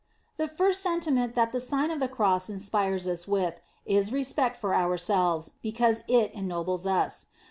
The first sentiment that tho. Sign of the Cross inspires us with, is respect for our selves, because it ennobles us.